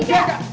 masih gak bohong